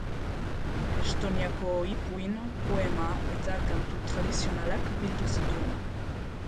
Estoniako ipuin, poema eta kantu tradizionalak bildu zituen.